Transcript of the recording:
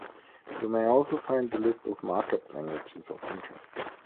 You may also find the List of markup languages of interest.